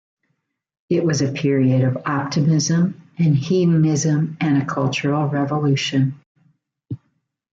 It was a period of optimism and hedonism, and a cultural revolution.